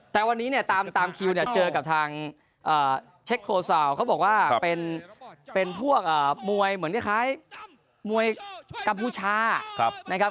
แต่วันนี้เนี่ยตามคิวเนี่ยเจอกับทางเช็คโคซาวเขาบอกว่าเป็นพวกมวยเหมือนคล้ายมวยกัมพูชานะครับ